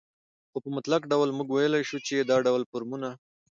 خو په مطلق ډول موږ وويلى شو، چې دا ډول فورمونه